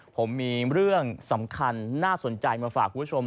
ผมมีเรื่องสำคัญน่าสนใจมาฝากคุณผู้ชม